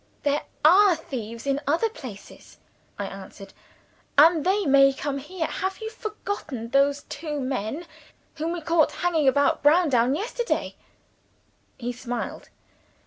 "There are thieves in other places," I answered. "And they may come here. Have you forgotten those two men whom we caught hanging about Browndown yesterday?" He smiled.